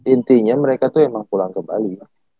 intinya mereka tuh emang pulang ke bali